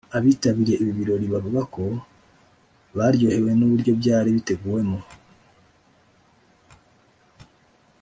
Abitabiriye ibi birori bavuga ko baryohewe n’uburyo byari biteguwemo